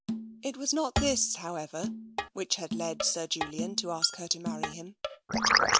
It was not this, however, which had caused Sir Julian to ask her to marry him.